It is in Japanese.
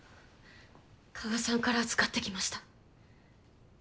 加賀さんから預かってきました。